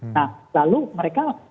nah lalu mereka